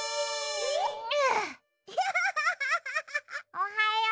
おはよう。